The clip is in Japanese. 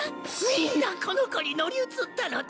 みんなこの子に乗り移ったのだわ。